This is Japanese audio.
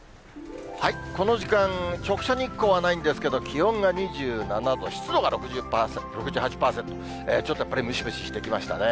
この時間、直射日光はないんですけど、気温が２７度、湿度が６８％、ちょっとやっぱりムシムシしてきましたね。